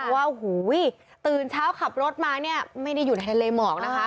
ว่าโอ้โหตื่นเช้าขับรถมาเนี่ยไม่ได้อยู่ในทะเลหมอกนะคะ